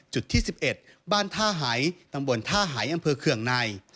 จุดที่๑๑บ้านท่าหายตำบลท่าหายอำเภอเคืองใน